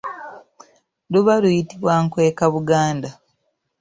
Luba luyitibwa nkwekabuganda.